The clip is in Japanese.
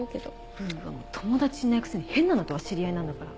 うわ友達いないくせに変なのとは知り合いなんだから。